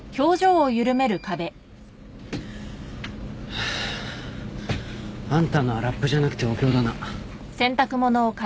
ハァ。あんたのはラップじゃなくてお経だな。